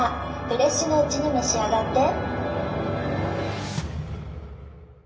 フレッシュなうちに召し上がって。